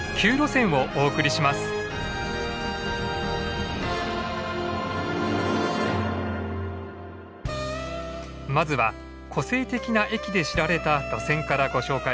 まずは個性的な駅で知られた路線からご紹介します。